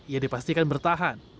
yang dipastikan bertahan